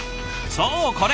そうこれ。